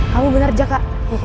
kamu benar jaka